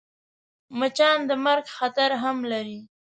مچان د مرګ خطر هم لري